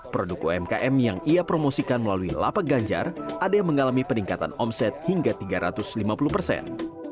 produk umkm yang ia promosikan melalui lapak ganjar ada yang mengalami peningkatan omset hingga tiga ratus lima puluh persen